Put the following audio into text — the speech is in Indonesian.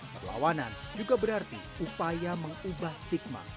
perlawanan juga berarti upaya mengubah stigma